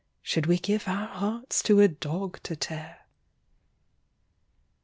Should we give our hearts to a dog to tear?